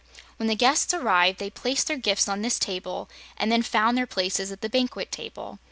When the guests arrived, they placed their gifts on this table and then found their places at the banquet table.